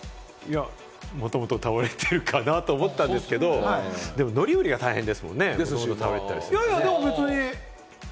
もともと倒れてるかなと思ったんですけれど、乗り降りが大変か。